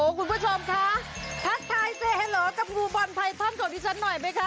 คุณผู้ชมคะทักทายเซเฮโลกับงูบอลไพทันของดิฉันหน่อยไหมคะ